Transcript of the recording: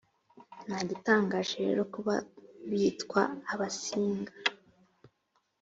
nta gitangaje rero kuba bitwa abasinga